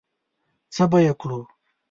څه به یې کړو؟